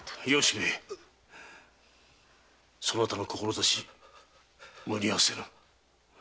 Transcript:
そなたの志無にはせぬ。